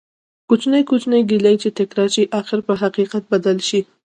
کوچنی کوچنی ګېلې چې تکرار شي ،اخير په حقيقت بدلي شي